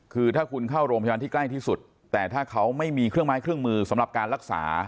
คือถ้าคุณเข้าโรงพยาบาลที่ใกล้ที่สุดแต่ถ้าเขาไม่มีเครื่องไม้เครื่องมือสำหรับการรักษา